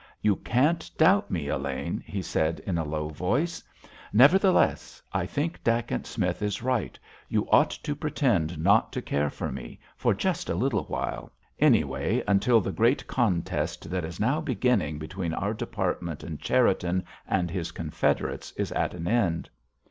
"You can't doubt me, Elaine," he said, in a low voice. "Nevertheless, I think Dacent Smith is right; you ought to pretend not to care for me, for just a little while—anyway, until the great contest that is now beginning between our department and Cherriton and his confederates is at an end."